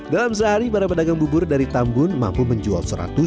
dalam sehari para pedagang bubur dari tambun mampu menjual seratus rupiah